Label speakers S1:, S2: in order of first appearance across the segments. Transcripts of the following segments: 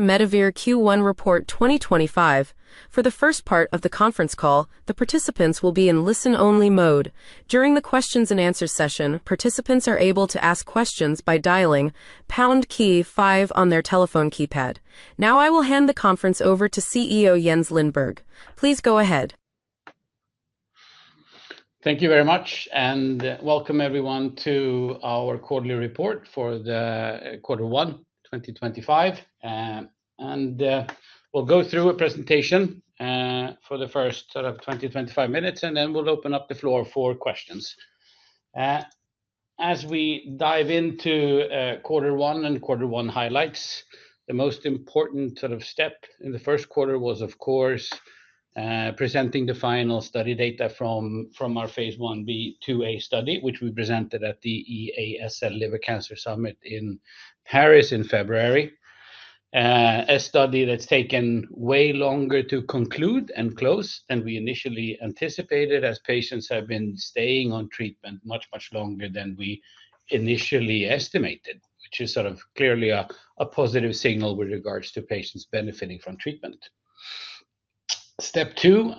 S1: Medivir Q1 Report 2025. For the first part of the conference call, the participants will be in listen-only mode. During the Q&A session, participants are able to ask questions by pound key five on their telephone keypad. Now I will hand the conference over to CEO Jens Lindberg. Please go ahead.
S2: Thank you very much, and welcome everyone to our quarterly report for quarter one 2025. We'll go through a presentation for the first 20 minutes-25 minutes, and then we'll open up the floor for questions. As we dive into quarter one and quarter one highlights, the most important step in the first quarter was, of course, presenting the final study data from our phase Ib/IIa study, which we presented at the EASL Liver Cancer Summit in Paris in February. A study that's taken way longer to conclude and close than we initially anticipated, as patients have been staying on treatment much, much longer than we initially estimated, which is clearly a positive signal with regards to patients benefiting from treatment. Step two,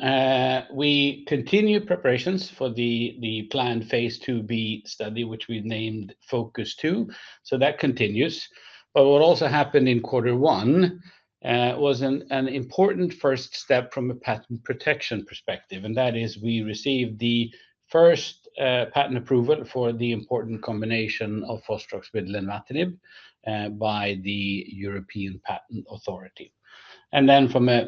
S2: we continue preparations for the planned phase IIb study, which we named FOcuS-2. That continues. What happened in quarter one was an important first step from a patent protection perspective, and that is we received the first patent approval for the important combination of fostrox and Lenvima by the European Patent Authority. From a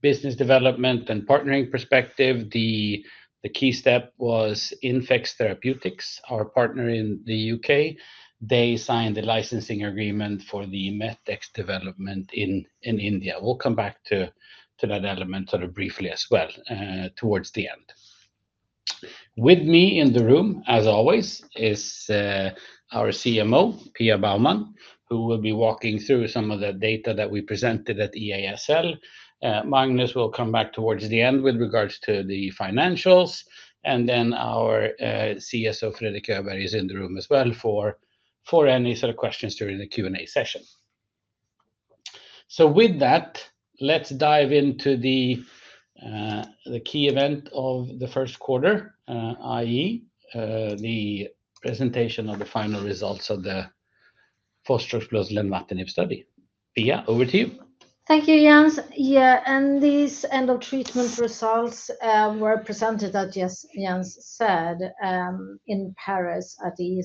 S2: business development and partnering perspective, the key step was Infex Therapeutics, our partner in the U.K. They signed the licensing agreement for the MET-X development in India. We will come back to that element briefly as well towards the end. With me in the room, as always, is our CMO, Pia Baumann, who will be walking through some of the data that we presented at EASL. Magnus will come back towards the end with regards to the financials. Our CSO, Fredrik Öberg, is in the room as well for any questions during the Q&A session. With that, let's dive into the key event of the first quarter, i.e., the presentation of the final results of the fostrox + Lenvima study. Pia, over to you.
S3: Thank you, Jens. Yeah, these end-of-treatment results were presented, as Jens said, in Paris at the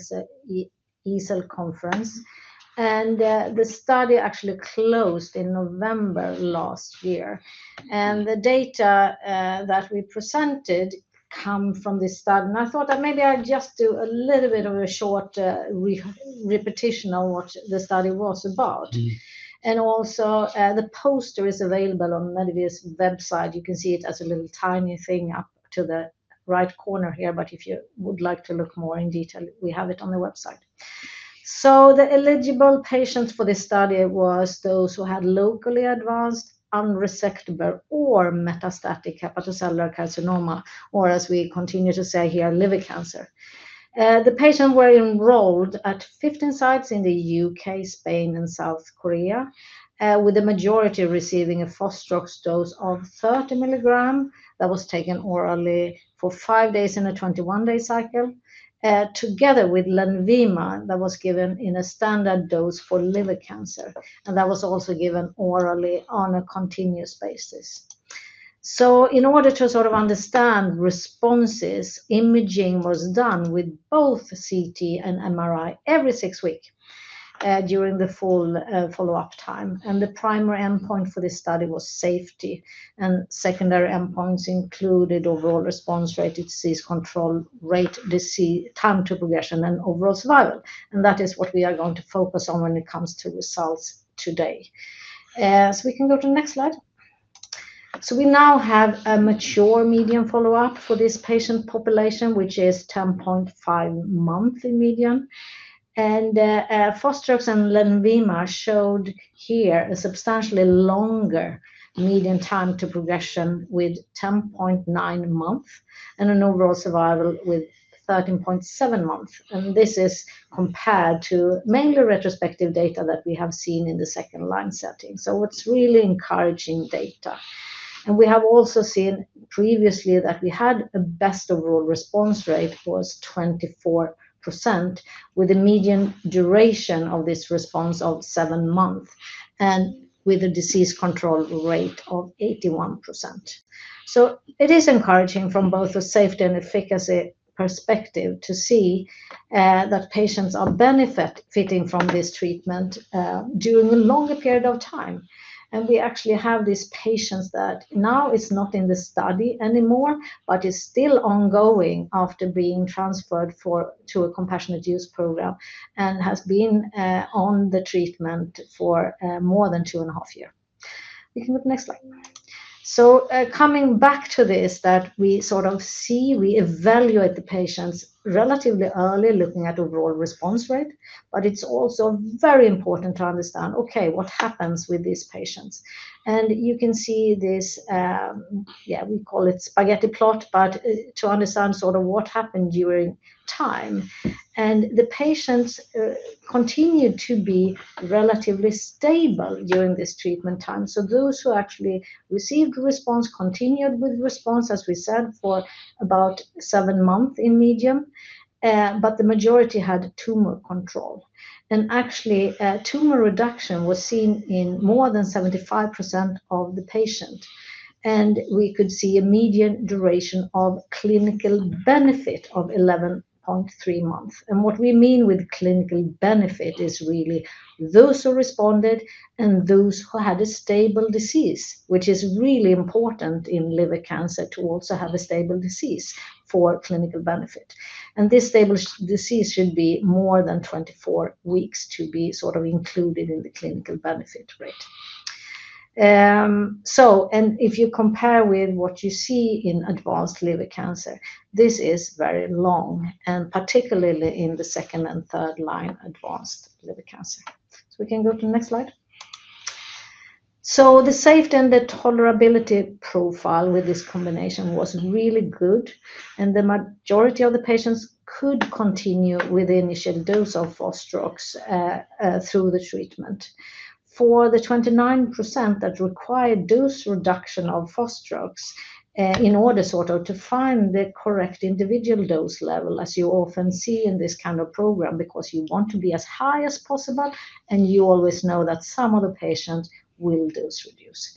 S3: EASL conference. The study actually closed in November last year. The data that we presented comes from this study. I thought that maybe I'd just do a little bit of a short repetition of what the study was about. Also, the poster is available on Medivir's website. You can see it as a little tiny thing up to the right corner here. If you would like to look more in detail, we have it on the website. The eligible patients for this study were those who had locally advanced unresectable or metastatic hepatocellular carcinoma, or as we continue to say here, liver cancer. The patients were enrolled at 15 sites in the U.K., Spain, and South Korea, with the majority receiving a fostrox dose of 30 mg that was taken orally for five days in a 21-day cycle, together with Lenvima that was given in a standard dose for liver cancer. That was also given orally on a continuous basis. In order to understand responses, imaging was done with both CT and MRI every six weeks during the full follow-up time. The primary endpoint for this study was safety. Secondary endpoints included overall response rate, disease control rate, time to progression, and overall survival. That is what we are going to focus on when it comes to results today. We can go to the next slide. We now have a mature median follow-up for this patient population, which is 10.5 months in median. Fostrox and Lenvima showed here a substantially longer median time to progression with 10.9 months and an overall survival with 13.7 months. This is compared to mainly retrospective data that we have seen in the second line setting. It is really encouraging data. We have also seen previously that we had a best overall response rate was 24%, with a median duration of this response of seven months, and with a disease control rate of 81%. It is encouraging from both a safety and efficacy perspective to see that patients are benefiting from this treatment during a longer period of time. We actually have these patients that now are not in the study anymore, but are still ongoing after being transferred to a compassionate use program and have been on the treatment for more than two and a half years. We can go to the next slide. Coming back to this, that we sort of see, we evaluate the patients relatively early, looking at overall response rate. It is also very important to understand, okay, what happens with these patients? You can see this, yeah, we call it spaghetti plot, but to understand sort of what happened during time. The patients continued to be relatively stable during this treatment time. Those who actually received response continued with response, as we said, for about seven months in median. The majority had tumor control. Actually, tumor reduction was seen in more than 75% of the patients. We could see a median duration of clinical benefit of 11.3 months. What we mean with clinical benefit is really those who responded and those who had a stable disease, which is really important in liver cancer to also have a stable disease for clinical benefit. This stable disease should be more than 24 weeks to be sort of included in the clinical benefit rate. If you compare with what you see in advanced liver cancer, this is very long, particularly in the second and third line advanced liver cancer. We can go to the next slide. The safety and the tolerability profile with this combination was really good. The majority of the patients could continue with the initial dose of fostrox through the treatment. For the 29% that required dose reduction of fostrox, in order to find the correct individual dose level, as you often see in this kind of program, because you want to be as high as possible, and you always know that some of the patients will dose reduce.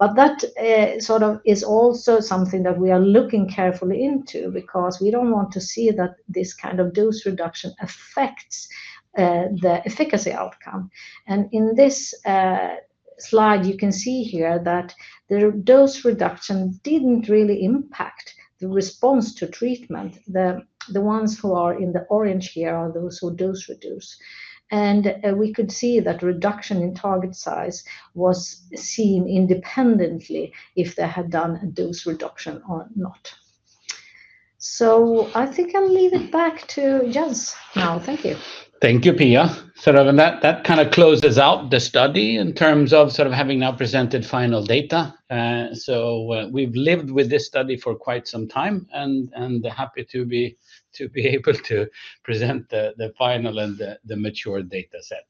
S3: That sort of is also something that we are looking carefully into because we don't want to see that this kind of dose reduction affects the efficacy outcome. In this slide, you can see here that the dose reduction didn't really impact the response to treatment. The ones who are in the orange here are those who dose reduce. We could see that reduction in target size was seen independently if they had done a dose reduction or not. I think I'll leave it back to Jens now. Thank you.
S2: Thank you, Pia. That kind of closes out the study in terms of having now presented final data. We have lived with this study for quite some time and are happy to be able to present the final and the mature data set.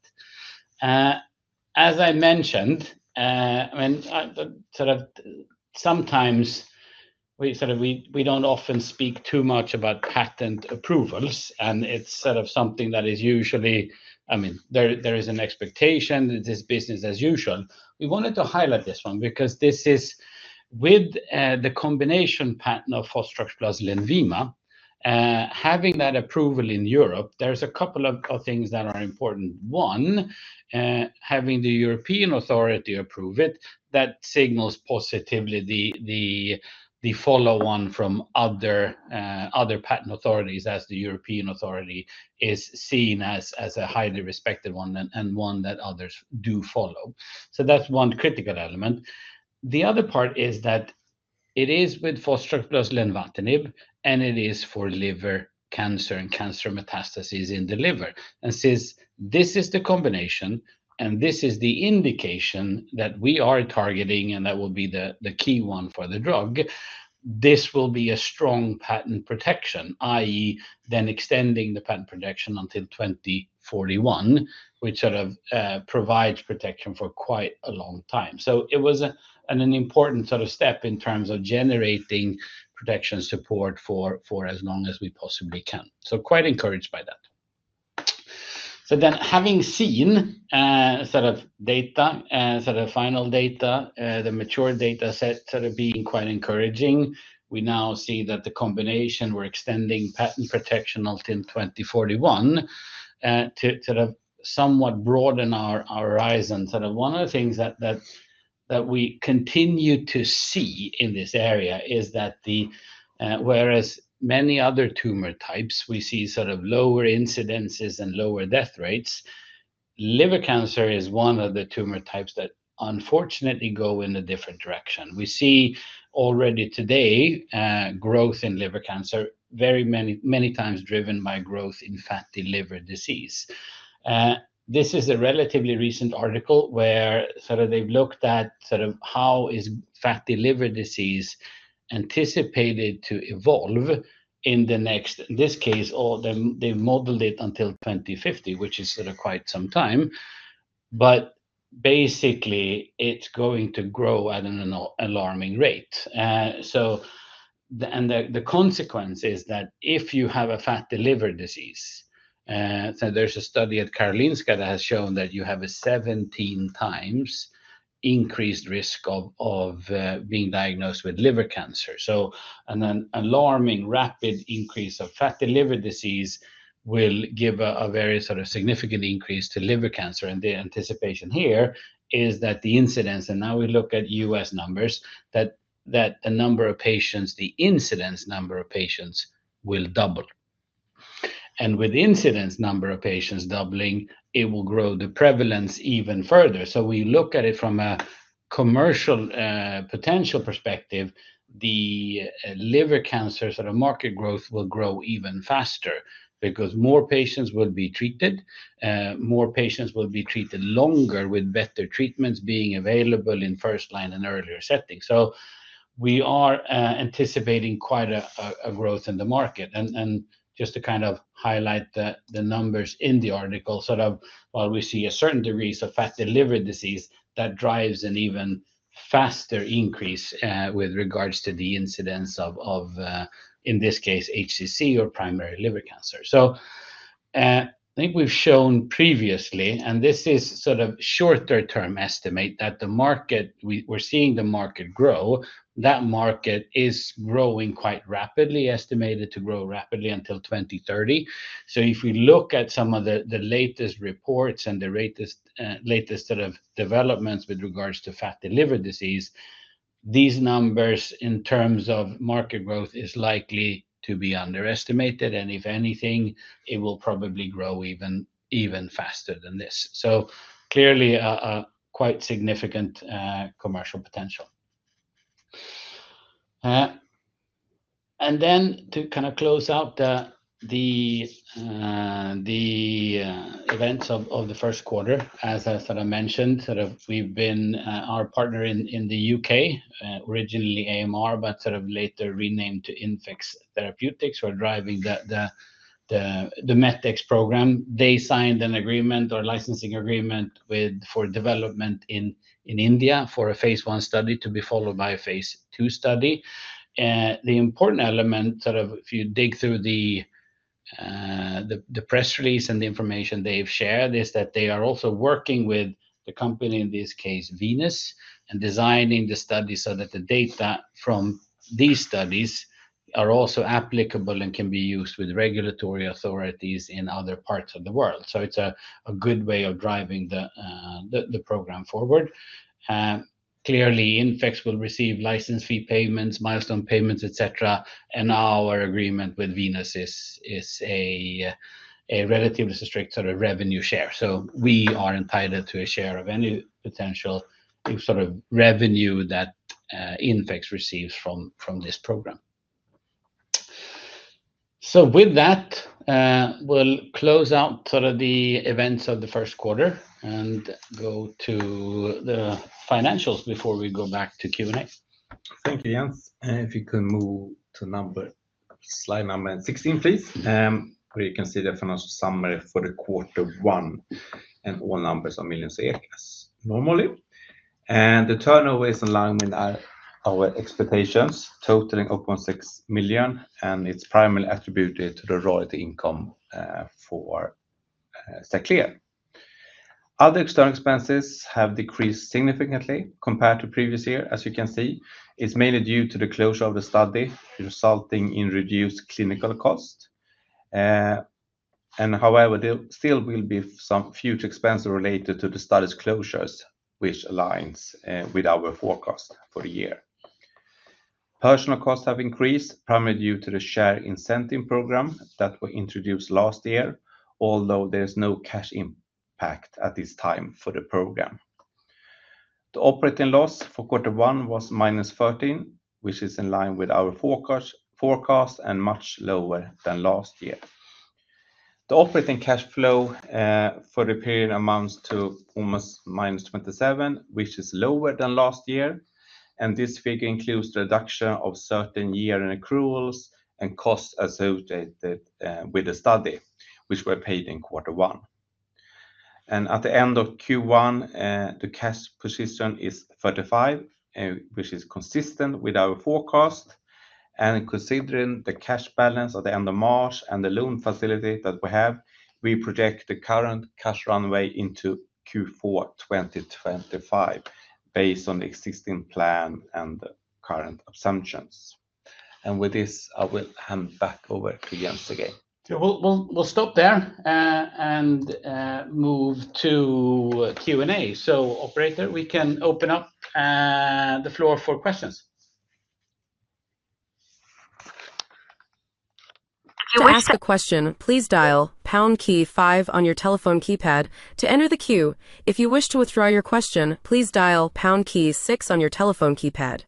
S2: As I mentioned, sometimes we do not often speak too much about patent approvals. It is something that is usually, I mean, there is an expectation, this is business as usual. We wanted to highlight this one because this is with the combination patent of fostrox + Lenvima, having that approval in Europe, there are a couple of things that are important. One, having the European authority approve it signals positively the follow-on from other patent authorities as the European authority is seen as a highly respected one and one that others do follow. That is one critical element. The other part is that it is with fostrox + Lenvima, and it is for liver cancer and cancer metastases in the liver. Since this is the combination and this is the indication that we are targeting, and that will be the key one for the drug, this will be a strong patent protection, i.e., then extending the patent protection until 2041, which provides protection for quite a long time. It was an important step in terms of generating protection support for as long as we possibly can. Quite encouraged by that. Having seen data, final data, the mature data set being quite encouraging, we now see that the combination, we are extending patent protection until 2041 to somewhat broaden our horizon. One of the things that we continue to see in this area is that whereas many other tumor types, we see lower incidences and lower death rates, liver cancer is one of the tumor types that unfortunately go in a different direction. We see already today growth in liver cancer, very many times driven by growth in fatty liver disease. This is a relatively recent article where they've looked at how is fatty liver disease anticipated to evolve in the next, in this case, they modeled it until 2050, which is quite some time. Basically, it's going to grow at an alarming rate. The consequence is that if you have a fatty liver disease, there's a study at Karolinska that has shown that you have a 17 times increased risk of being diagnosed with liver cancer. An alarming rapid increase of fatty liver disease will give a very significant increase to liver cancer. The anticipation here is that the incidence, and now we look at U.S. numbers, that the number of patients, the incidence number of patients will double. With incidence number of patients doubling, it will grow the prevalence even further. We look at it from a commercial potential perspective, the liver cancer market growth will grow even faster because more patients will be treated, more patients will be treated longer with better treatments being available in first line and earlier settings. We are anticipating quite a growth in the market. To kind of highlight the numbers in the article, while we see a certain degree of fatty liver disease, that drives an even faster increase with regards to the incidence of, in this case, HCC or primary liver cancer. I think we've shown previously, and this is a shorter-term estimate, that the market, we're seeing the market grow, that market is growing quite rapidly, estimated to grow rapidly until 2030. If we look at some of the latest reports and the latest developments with regards to fatty liver disease, these numbers in terms of market growth is likely to be underestimated. If anything, it will probably grow even faster than this. Clearly, quite significant commercial potential. To kind of close out the events of the first quarter, as I mentioned, we've been our partner in the U.K., originally AMR, but later renamed to Infex Therapeutics, who are driving the MET-X program. They signed an agreement or licensing agreement for development in India for a phase I study to be followed by a phase II study. The important element, if you dig through the press release and the information they've shared, is that they are also working with the company, in this case, Venus, and designing the study so that the data from these studies are also applicable and can be used with regulatory authorities in other parts of the world. It is a good way of driving the program forward. Clearly, Infex will receive license fee payments, milestone payments, etc. Our agreement with Venus is a relatively strict revenue share. We are entitled to a share of any potential revenue that Infex receives from this program. With that, we'll close out the events of the first quarter and go to the financials before we go back to Q&A.
S4: Thank you, Jens. If you can move to slide number 16, please, where you can see the financial summary for the quarter one and all numbers are millions of SEK normally. The turnover is in line with our expectations, totaling 0.6 million, and its primary attribute is to the royalty income for Stacklea. Other external expenses have decreased significantly compared to previous year, as you can see. It is mainly due to the closure of the study, resulting in reduced clinical cost. However, there still will be some future expenses related to the study's closures, which aligns with our forecast for the year. Personnel costs have increased, primarily due to the share incentive program that was introduced last year, although there is no cash impact at this time for the program. The operating loss for quarter was -13 million, which is in line with our forecast and much lower than last year. The operating cash flow for the period amounts almost -27 million, which is lower than last year. This figure includes the reduction of certain year-end accruals and costs associated with the study, which were paid in quarter one. At the end of Q1, the cash position is 35 million, which is consistent with our forecast. Considering the cash balance at the end of March and the loan facility that we have, we project the current cash runway into Q4 2025 based on the existing plan and current assumptions. With this, I will hand back over to Jens again.
S2: Yeah, we'll stop there and move to Q&A. Operator, we can open up the floor for questions.
S1: To ask a question, please dial pound key five on your telephone keypad to enter the queue. If you wish to withdraw your question, please dial pound key six on your telephone keypad.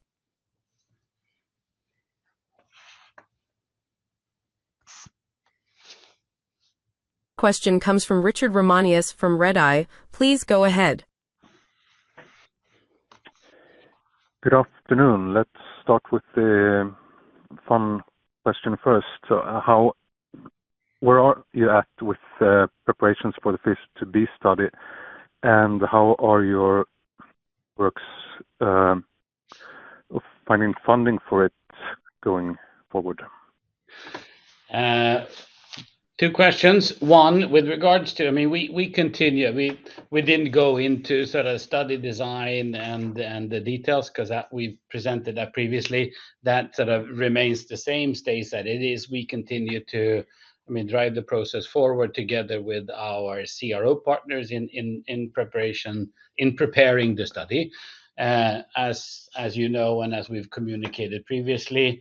S1: Question comes from Richard Ramanius from Redeye. Please go ahead.
S5: Good afternoon. Let's start with the fun question first. Where are you at with preparations for the phase IIb study? How are your works finding funding for it going forward?
S2: Two questions. One, with regards to, I mean, we continue. We did not go into study design and the details because we presented that previously. That remains the same, stays that it is. We continue to drive the process forward together with our CRO partners in preparing the study. As you know and as we have communicated previously,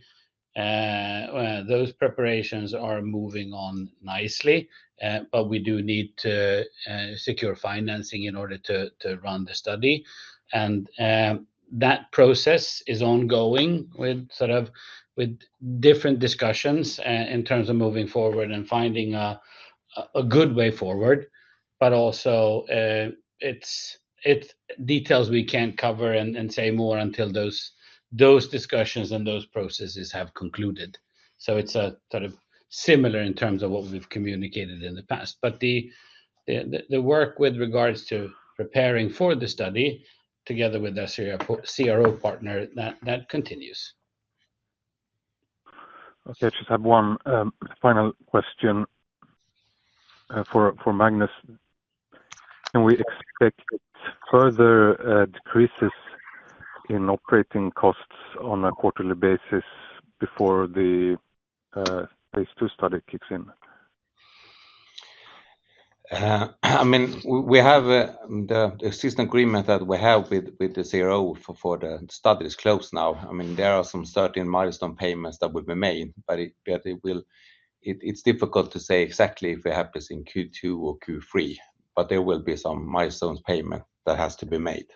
S2: those preparations are moving on nicely. We do need to secure financing in order to run the study. That process is ongoing with different discussions in terms of moving forward and finding a good way forward. It is details we cannot cover and say more until those discussions and those processes have concluded. It is similar in terms of what we have communicated in the past. The work with regards to preparing for the study together with our CRO partner, that continues.
S5: Okay, I just have one final question for Magnus. Can we expect further decreases in operating costs on a quarterly basis before the phase II study kicks in?
S4: I mean, we have the existing agreement that we have with the CRO for the study is closed now. I mean, there are some certain milestone payments that will be made. But it's difficult to say exactly if we have this in Q2 or Q3. There will be some milestone payment that has to be made.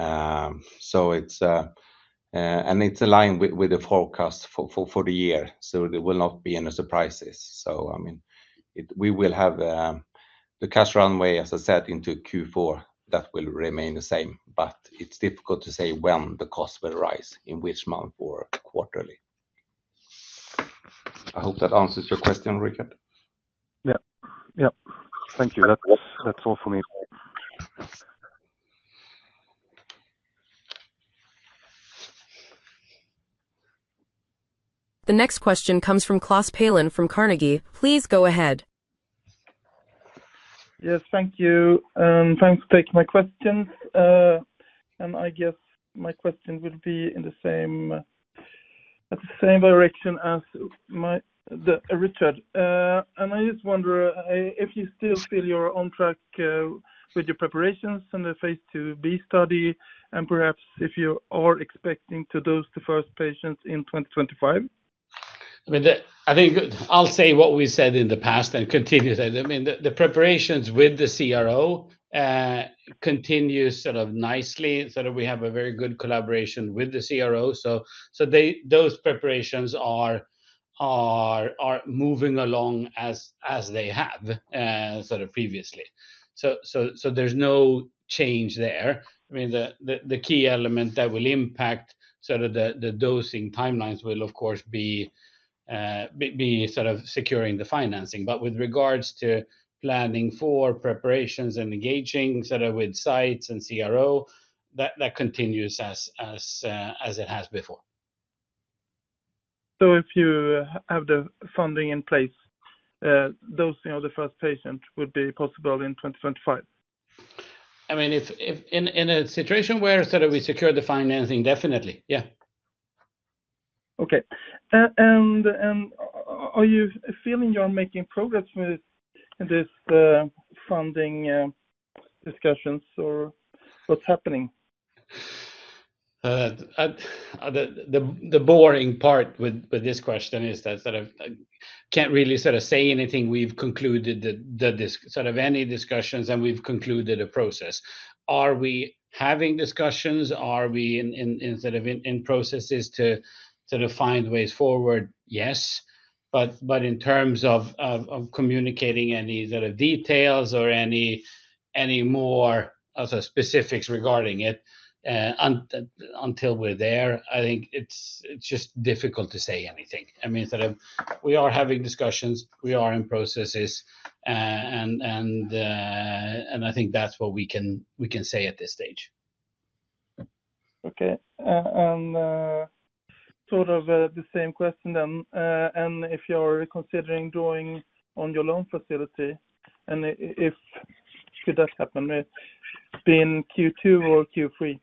S4: It is aligned with the forecast for the year. There will not be any surprises. We will have the cash runway, as I said, into Q4 that will remain the same. It is difficult to say when the cost will rise, in which month or quarterly. I hope that answers your question, Richard.
S5: Yeah. Yeah. Thank you. That's all for me.
S1: The next question comes from Klas Palin from Carnegie. Please go ahead.
S6: Yes, thank you. Thanks for taking my questions. I guess my question will be in the same direction as Richard. I just wonder if you still feel you're on track with your preparations in the phase IIb study, and perhaps if you are expecting to dose the first patients in 2025?
S2: I think I'll say what we said in the past and continue to say. The preparations with the CRO continue nicely. We have a very good collaboration with the CRO. Those preparations are moving along as they have previously. There is no change there. The key element that will impact the dosing timelines will, of course, be securing the financing. With regards to planning for preparations and engaging with sites and CRO, that continues as it has before.
S6: If you have the funding in place, dosing of the first patient would be possible in 2025?
S2: I mean, in a situation where we secure the financing, definitely. Yeah.
S6: Okay. Are you feeling you're making progress with these funding discussions or what's happening?
S2: The boring part with this question is that I can't really say anything. We've concluded any discussions and we've concluded a process. Are we having discussions? Are we in processes to find ways forward? Yes. In terms of communicating any details or any more specifics regarding it until we're there, I think it's just difficult to say anything. We are having discussions. We are in processes. I think that's what we can say at this stage.
S6: Okay. Sort of the same question then. If you're considering doing on your loan facility, and if that happens, it's been Q2 or Q3?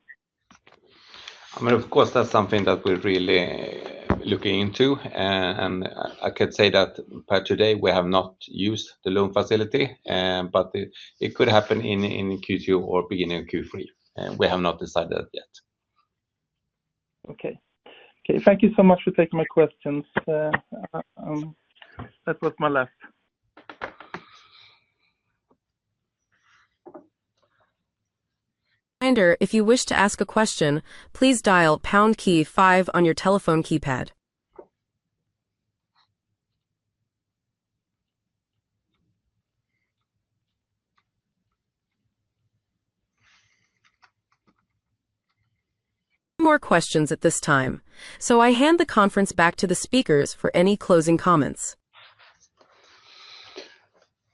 S4: I mean, of course, that's something that we're really looking into. I could say that per today, we have not used the loan facility. It could happen in Q2 or beginning of Q3. We have not decided yet.
S6: Okay. Thank you so much for taking my questions. That was my last.
S1: Reminder, if you wish to ask a question, please dial pound key five on your telephone keypad. No more questions at this time. I hand the conference back to the speakers for any closing comments.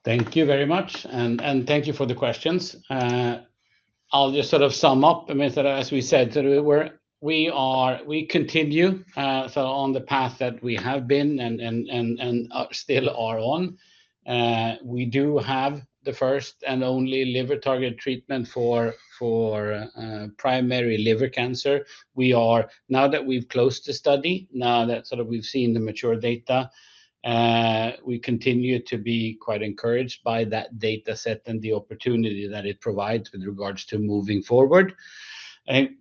S2: Thank you very much. Thank you for the questions. I'll just sum up. As we said, we continue on the path that we have been and still are on. We do have the first and only liver target treatment for primary liver cancer. Now that we've closed the study, now that we've seen the mature data, we continue to be quite encouraged by that dataset and the opportunity that it provides with regards to moving forward.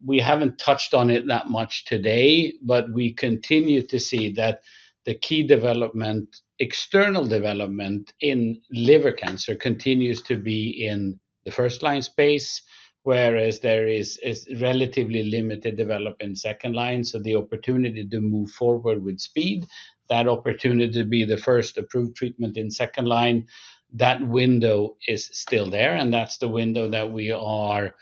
S2: We haven't touched on it that much today, but we continue to see that the key development, external development in liver cancer, continues to be in the first-line space, whereas there is relatively limited development in second line. The opportunity to move forward with speed, that opportunity to be the first approved treatment in second line, that window is still there. That's the window that we are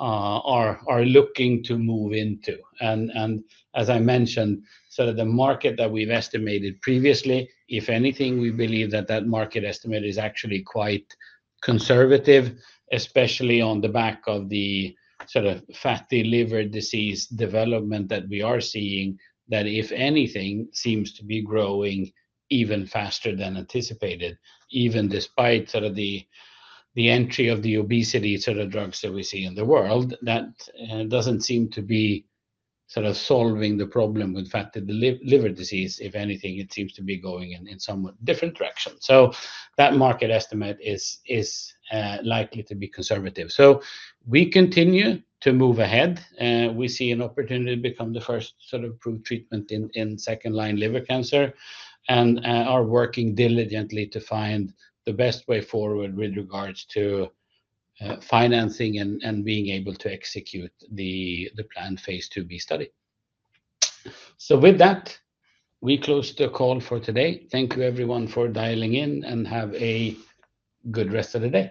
S2: looking to move into. As I mentioned, the market that we've estimated previously, if anything, we believe that that market estimate is actually quite conservative, especially on the back of the fatty liver disease development that we are seeing, that if anything, seems to be growing even faster than anticipated, even despite the entry of the obesity drugs that we see in the world. That does not seem to be solving the problem with fatty liver disease. If anything, it seems to be going in a somewhat different direction. That market estimate is likely to be conservative. We continue to move ahead. We see an opportunity to become the first approved treatment in second-line liver cancer and are working diligently to find the best way forward with regards to financing and being able to execute the planned phase IIb study. With that, we close the call for today. Thank you, everyone, for dialing in and have a good rest of the day.